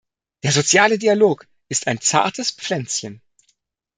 Der soziale Dialog ist ein zartes Pflänzchen.